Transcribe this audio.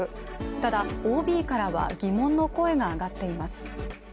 ただＯＢからは、疑問の声が上がっています。